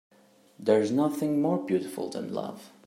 There's nothing more beautiful than love.